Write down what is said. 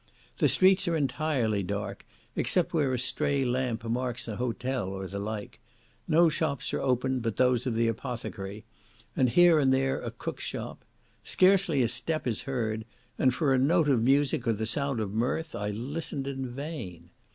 The Streets are entirely dark, except where a stray lamp marks an hotel or the like; no shops are open, but those of the apothecary, and here and there a cook's shop; scarcely a step is heard, and for a note of music, or the sound of mirth, I listened in vain.